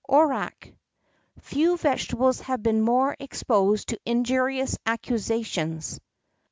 ORACH. Few vegetables have been more exposed to injurious accusations.